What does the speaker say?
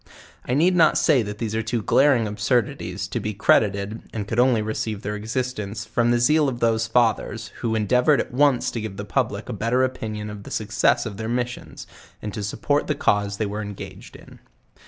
I need not say that these are two glaring absurdities to be credited, and could only receive their existence from the zeal of those fathers, who endeavored at once to give the public a better opinion of the success of their missions, and support to the cause they were engaged in.